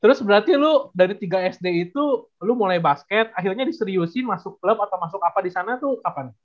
terus berarti lu dari tiga sd itu lu mulai basket akhirnya diseriusin masuk klub atau masuk apa di sana tuh kapan